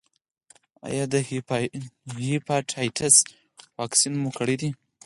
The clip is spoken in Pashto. ایا د هیپاټایټس واکسین مو کړی دی؟